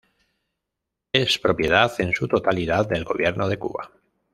Es propiedad en su totalidad del gobierno de Cuba.